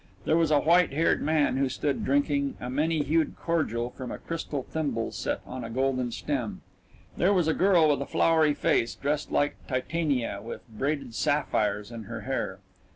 There was a white haired man who stood drinking a many hued cordial from a crystal thimble set on a golden stem. There was a girl with a flowery face, dressed like Titania with braided sapphires in her hair.